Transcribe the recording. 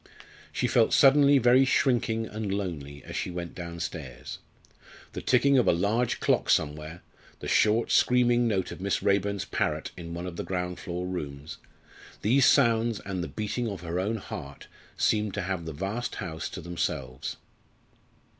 She felt suddenly very shrinking and lonely as she went downstairs. The ticking of a large clock somewhere the short, screaming note of Miss Raeburn's parrot in one of the ground floor rooms these sounds and the beating of her own heart seemed to have the vast house to themselves.